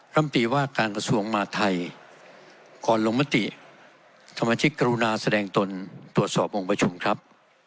ลำตีว่าการกระทรวงมาไทยก่อนลงมติสมาชิกกรุณาแสดงตนตรวจสอบองค์ประชุมครับ